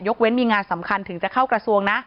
เว้นมีงานสำคัญถึงจะเข้ากระทรวงนะ